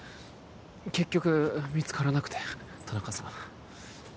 結局見つからなくて田中さん